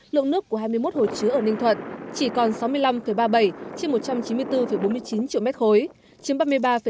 lượng nước sản xuất của hai mươi một hồ chứa ở ninh thuận chỉ còn sáu mươi năm ba mươi bảy trên một trăm chín mươi bốn bốn mươi chín triệu mét khối